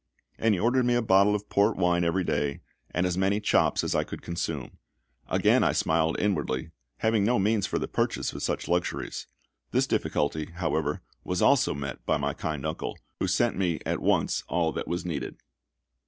And he ordered me a bottle of port wine every day, and as many chops as I could consume. Again I smiled inwardly, having no means for the purchase of such luxuries. This difficulty, however, was also met by my kind uncle, who sent me at once all that was needed.